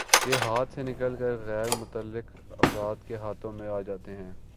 کے ہاتھ سے نکل کر غیر متعلق افراد کے ہاتھوں میں آجاتے ہیں